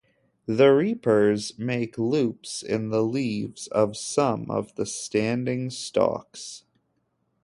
The reapers make loops in the leaves of some of the standing stalks.